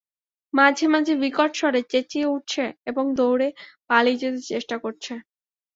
মাঝে-মাঝে বিকট স্বরে চেঁচিয়ে উঠছে এবং দৌড়ে পালিয়ে যেতে চেষ্টা করছে।